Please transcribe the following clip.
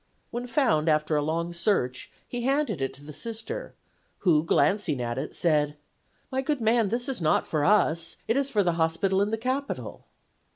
When found, after a long search, he handed it to the Sister, who, glancing at it, said: "'My good man, this is not for us. It is for the hospital in the Capital.